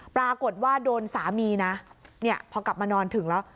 ปรากฏว่าโดนสามีนะเนี่ยพอกลับมานอนถึงแล้ว